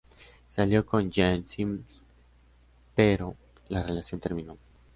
Salió con Jena Sims, pero la relación terminó.